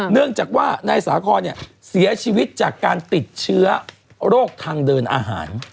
เนื่องจากว่านายสาคอนเสียชีวิตจากการติดเชื้อโรคทางเดินอาหาร